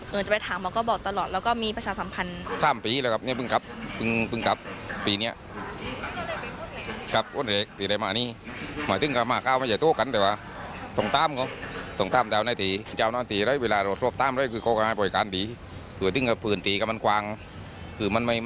จะไปถามหมอก็บอกตลอดแล้วก็มีประชาสัมพันธ์